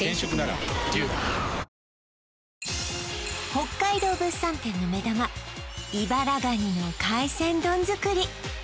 北海道物産店の目玉イバラガニの海鮮丼作り